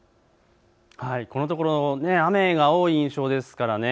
このところ雨が多い印象ですからね。